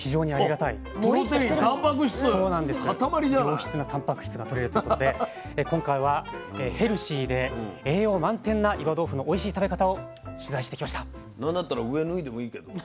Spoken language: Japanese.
良質なたんぱく質がとれるということで今回はヘルシーで栄養満点な岩豆腐のおいしい食べ方を取材してきました。